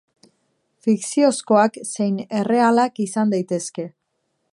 Fikziozkoak zein errealak izan daitezke.